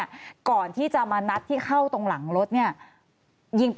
อย่างนี้ใช่ไหมธีระนัดใช่ไหมค่ะ